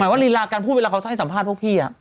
ว่ารีลาการพูดเวลาเขาจะให้สัมภาษณ์พวกพี่